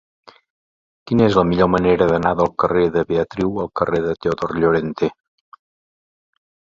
Quina és la millor manera d'anar del carrer de Beatriu al carrer de Teodor Llorente?